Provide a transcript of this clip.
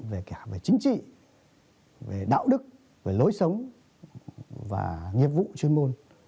về cả về chính trị về đạo đức về lối sống và nghiệp vụ chuyên môn